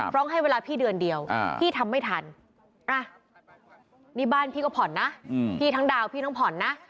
ร้องให้เวลาพี่เดือนเดียวพี่ทำไม่ทันนี่บ้านพี่ก็ผ่อนนะพี่ทั้งดาวพี่ทั้งผ่อนนะ